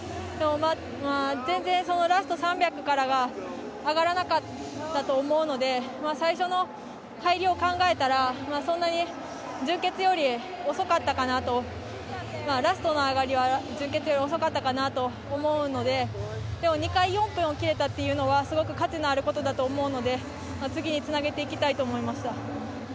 全然、ラスト３００からが上がらなかったと思うので最初の入りを考えたらそんなに準決よりラストの上がりは準決より遅かったかなと思うのででも２回４分を切れたというのはすごく価値があることだと思うので次につなげていきたいと思いました。